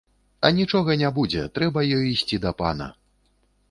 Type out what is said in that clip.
Анічога не будзе, трэба ёй ісці да пана.